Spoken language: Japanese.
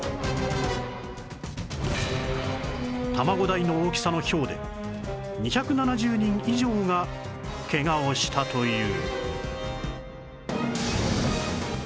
卵大の大きさのひょうで２７０人以上がケガをしたという